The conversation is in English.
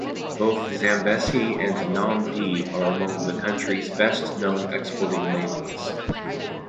Both Zambesi and Nom D are among the country's best known exporting labels.